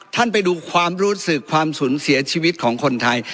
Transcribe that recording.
ท่านไปดูความรู้สึกความสูญเสียชีวิตของคนไทย